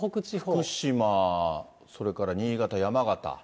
福島、それから新潟、山形。